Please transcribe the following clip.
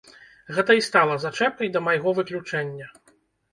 Гэта і стала зачэпкай да майго выключэння.